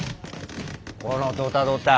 ・このドタドタ。